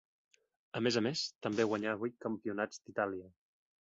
A més a més, també guanyà vuit Campionats d'Itàlia.